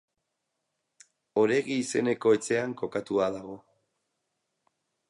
Oregi izeneko etxean kokatua dago.